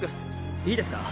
いいですか？